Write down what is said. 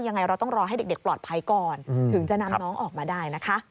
ยังไงเราต้องรอให้เด็กปลอดภัยก่อนถึงจะนำน้องออกมาได้นะคะ